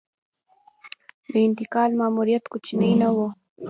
د انتقال ماموریت کوچنی نه و.